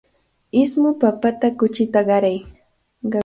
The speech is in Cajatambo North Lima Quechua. Ismu papata kuchita qaray.